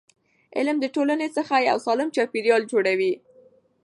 علم د ټولنې څخه یو سالم چاپېریال جوړوي.